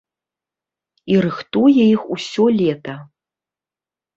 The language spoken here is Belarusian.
І рыхтуе іх усё лета.